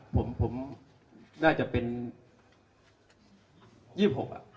ผมผมน่าจะเป็น๒๖อ่ะ